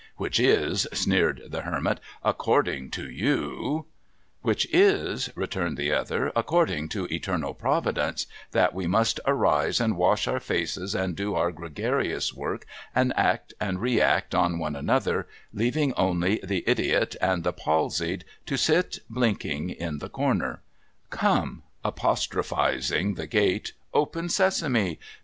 ' Which is,' sneered the Hermit, ' according to you '' Which is,' returned the other, ' according to Eternal Providence, that we must arise and wash our faces and do our gregarious work and act and re act on one another, leaving only the idiot and the palsied to sit blinking in the corner. Come !' apostrophising the gate. ' Open Sesame